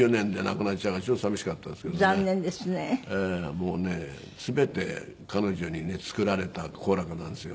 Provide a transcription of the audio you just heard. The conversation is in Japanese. もうね全て彼女にね作られた好楽なんですよ。